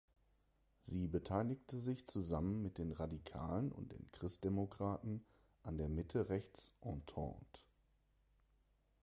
Sie beteiligte sich zusammen mit den Radikalen und den Christdemokraten an der Mitte-Rechts-„Entente“.